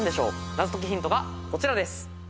謎解きヒントがこちらです。